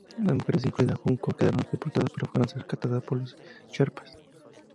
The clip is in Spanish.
Las mujeres, incluida Junko, quedaron sepultadas pero fueron rescatadas por los sherpas.